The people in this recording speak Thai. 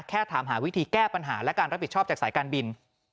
ถามหาวิธีแก้ปัญหาและการรับผิดชอบจากสายการบิน